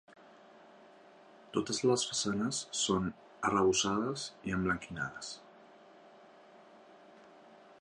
Totes les façanes són arrebossades i emblanquinades.